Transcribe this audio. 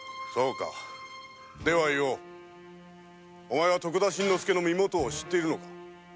お前は徳田新之助の身元を知っているのか？